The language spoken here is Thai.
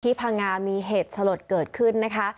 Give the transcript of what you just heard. พังงามีเหตุสลดเกิดขึ้นนะคะ